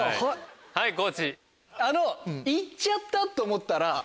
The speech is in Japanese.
はい地。